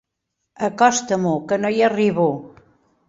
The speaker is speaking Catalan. Acosta-m'ho, que no hi arribo.